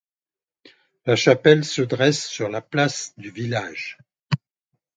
La chapelle se dresse sur la place du village.